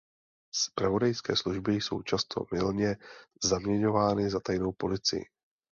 Zpravodajské služby jsou často mylně zaměňovány za tajnou policii.